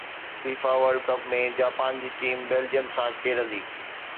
FIFA world cup ۾ Japan جي team Belgium سان کيڏندي